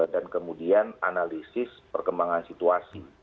dan kemudian analisis perkembangan situasi